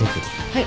はい。